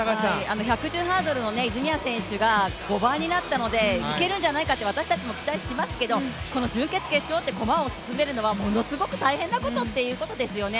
１１０ハードルの泉谷選手が５番になったのでいけるんじゃないかと私たちも期待しますけれども、この準決、決勝と駒を進めるのはものすごく大変なことですよね。